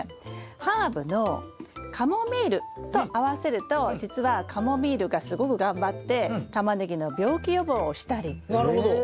ハーブのカモミールと合わせるとじつはカモミールがすごく頑張ってタマネギの病気予防をしたりへえ。